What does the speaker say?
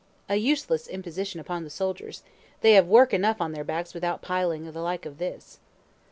(A useless imposition upon the soldiers they have work enough on their backs without piling the like of this.)